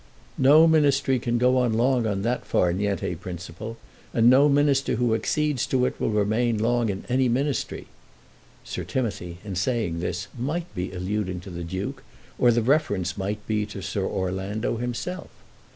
"No Ministry can go on long on that far niente principle, and no minister who accedes to it will remain long in any ministry." Sir Timothy in saying this might be alluding to the Duke, or the reference might be to Sir Orlando himself.